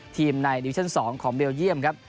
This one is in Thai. ทีมในดิวิชั่น๒ของเบลเยี่ยมครับ